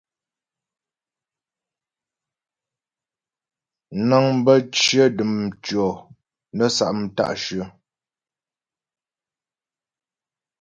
Nəŋ bə́ cyə dəm tʉɔ̂ nə́ sa' mta'shyə̂.